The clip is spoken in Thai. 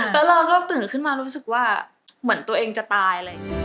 และเราก็ตื่นขึ้นมารู้สึกว่าเหมือนตัวเองจะตาย